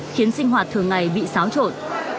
khiến sinh hoạt thường ngày bị xáo trộn